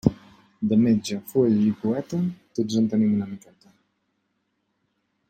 De metge, foll i poeta, tots en tenim una miqueta.